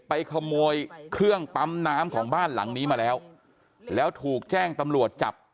ขโมยเครื่องปั๊มน้ำของบ้านหลังนี้มาแล้วแล้วถูกแจ้งตำรวจจับ